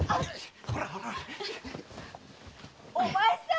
お前さん！